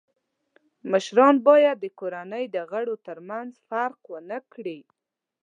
مشران باید د کورنۍ د غړو تر منځ فرق و نه کړي.